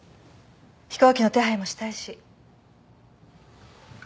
飛行機の手配もしたいし。